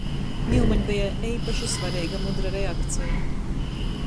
Niu maņ beja eipaši svareiga mudra reakceja.